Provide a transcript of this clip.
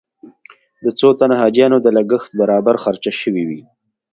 د څو تنو حاجیانو د لګښت برابر خرچه شوې وي.